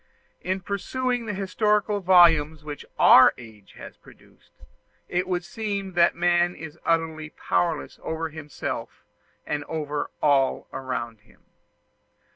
In perusing the historical volumes which our age has produced, it would seem that man is utterly powerless over himself and over all around him.